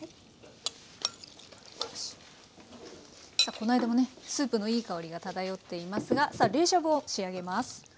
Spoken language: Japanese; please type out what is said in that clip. この間もねスープのいい香りが漂っていますがさあ冷しゃぶを仕上げます。